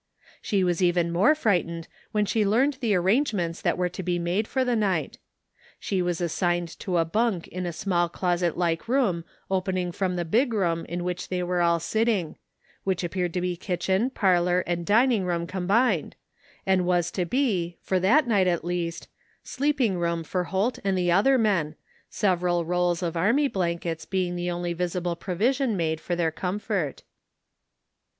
She was even more frightened when she learned the arrangements that were to be made for the night. She was assigned to a bunk in a small closet like room opening from the big room in which they were all sitting — which appeared to be kitchen, parlor and din ing room combined, and was to be, for that night at least, sleeping room for Holt and the other men, several rolls of army blankets being the only visible provision made for their comfort.